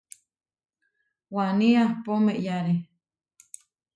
Waní ahpó meʼyare.